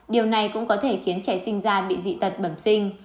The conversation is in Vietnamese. điều này cũng có thể khiến trẻ sinh ra bị dị tật bẩm sinh